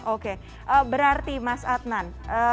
oke berarti mas adnan